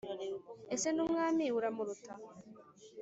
ese n' umwami uramuruta?"